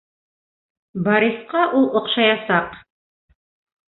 Борисҡа ул оҡшаясаҡ!